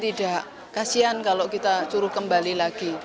tidak kasian kalau kita curuh kembali lagi